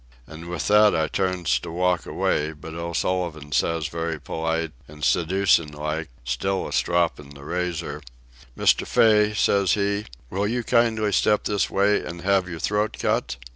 And with that I turns to walk away, but O'Sullivan says, very polite and seducin' like, still a stroppin' the razor, "Mr. Fay," says he, "will you kindly step this way an' have your throat cut?"